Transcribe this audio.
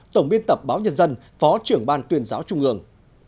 tổng biên tập báo nhân dân phó trưởng ban tuyên giáo trung ương